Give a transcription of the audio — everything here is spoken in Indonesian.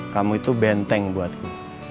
kamu itu benteng buatku